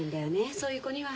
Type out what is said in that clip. そういう子には。